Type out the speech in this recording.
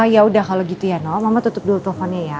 yaudah kalau gitu ya noh mama tutup dulu teleponnya ya